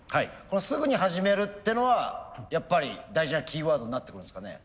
このすぐに始めるってのはやっぱり大事なキーワードになってくるんですかね？